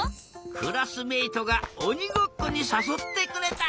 クラスメートがおにごっこにさそってくれた。